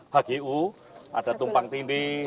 hgu ada tumpang tindih